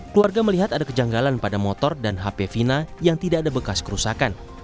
keluarga melihat ada kejanggalan pada motor dan hp fina yang tidak ada bekas kerusakan